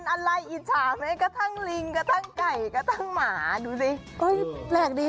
อะไรอิจฉาแม้กระทั่งลิงกระทั่งไก่กระทั่งหมาดูสิแปลกดี